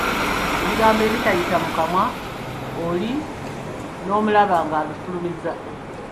Ebigambo ebitayita mu kamwa, oli n'omulaba nga abifulumizza.